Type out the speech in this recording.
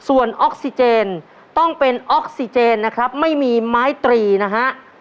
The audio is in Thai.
ส่วนออกซิเจนต้องเป็นออกซิเจนนะครับไม่มีไม้ตรีนะฮะ